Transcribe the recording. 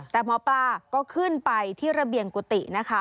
แต่หมอปลาก็ขึ้นไปที่ระเบียงกุฏินะคะ